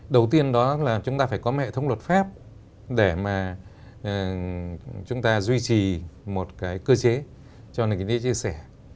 đầu tiên đó là chúng ta phải có hệ thống luật pháp để mà chúng ta duy trì một cái cơ chế cho nền kinh tế chia sẻ